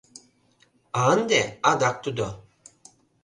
А ынде — адак тудо...